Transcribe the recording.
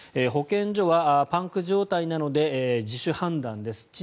保健所はパンク状態なので自主判断です。